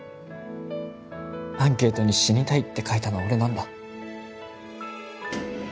アンケートに「死にたい」って書いたの俺なんだ